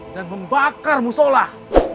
dan membakar musolah